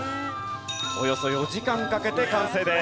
およそ４時間かけて完成です。